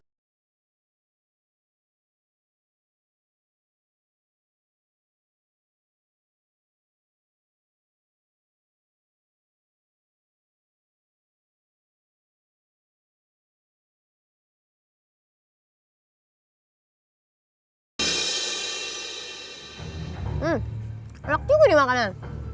hmm enak juga nih makanan